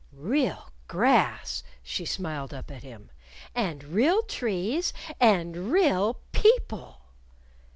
"Real grass," she smiled up at him "and real trees, and real people."